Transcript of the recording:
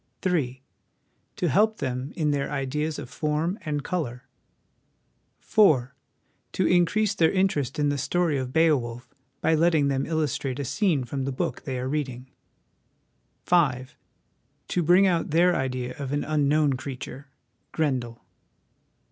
" 3. To help them in their ideas of form and colour. " 4. To increase their interest in the story of Beowulf by letting them illustrate a scene from the book they are reading. " 5. To bring out their idea of an unknown creature (Grendel).